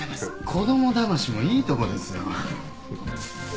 子供だましもいいとこですよ。